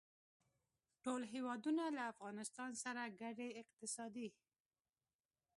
ټول هېوادونه له افغانستان سره ګډې اقتصادي